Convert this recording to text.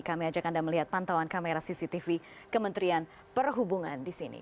kami ajak anda melihat pantauan kamera cctv kementerian perhubungan di sini